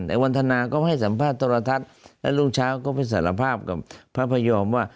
วันทนาก็ให้สัมภาษณ์โทรทัศน์แล้วรุ่งเช้าก็ไปสารภาพกับพระพยอมว่า